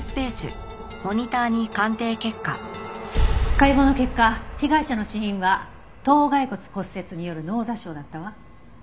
解剖の結果被害者の死因は頭蓋骨骨折による脳挫傷だったわ。